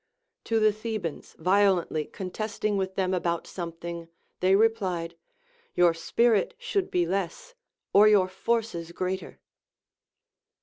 To the Thebans violently contesting with them about something they replied, Your spirit should be less, or your forces greater.